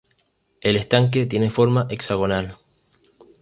El estanque tiene forma hexagonal.